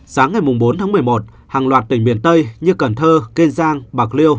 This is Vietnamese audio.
sáng ngày bốn tháng một mươi một hàng loạt tỉnh miền tây như cần thơ kiên giang bạc liêu